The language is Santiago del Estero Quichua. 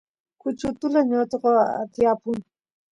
kuchi utula ñotqo tiyapun